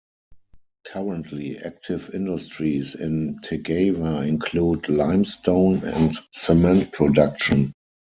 Currently active industries in Tagawa include limestone and cement production.